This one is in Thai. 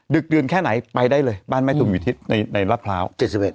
ดื่นแค่ไหนไปได้เลยบ้านแม่ตุมอยู่ที่ในรัฐพร้าว๗๑